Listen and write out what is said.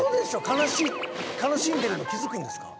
悲しんでるの気づくんですか？